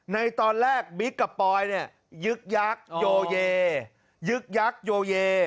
ในตอนแรกบิ๊กกับปอยเนี่ยยึกยักษ์โยเยยึกยักษ์โยเย